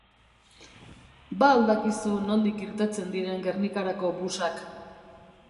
Ba al dakizu nondik irtetzen diren Gernikarako busak?